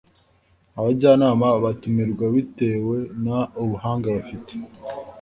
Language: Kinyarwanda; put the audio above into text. abajyanama batumirwa bitewe n ubuhanga bafite